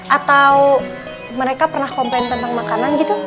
atau mereka pernah komplain tentang makanan gitu